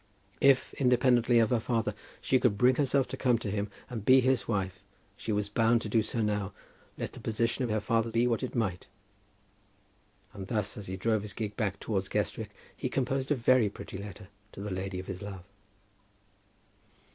If, independently of her father, she could bring herself to come to him and be his wife, she was bound to do so now, let the position of her father be what it might. And thus, as he drove his gig back towards Guestwick, he composed a very pretty letter to the lady of his love.